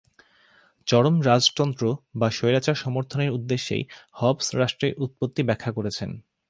চরম রাজতন্ত্র বা স্বৈরাচার সমর্থনের উদ্দেশ্যেই হবস রাষ্ট্রের উৎপত্তি ব্যাখ্যা করেছেন।